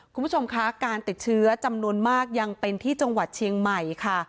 คุณผู้ชมคะการติดเชื้อจำนวนมากยังเป็นที่จังหวัดเชียงใหม่ค่ะ